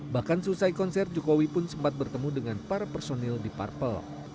bahkan selesai konser jokowi pun sempat bertemu dengan para personil di parpel